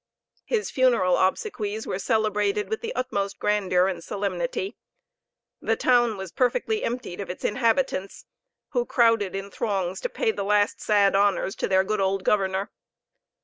His funeral obsequies were celebrated with the utmost grandeur and solemnity. The town was perfectly emptied of its inhabitants, who crowded in throngs to pay the last sad honors to their good old governor.